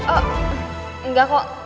oh enggak kok